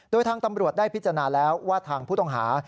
โดยทางตำรวจได้พิจารณาแล้วว่าทางผู้ต้องหา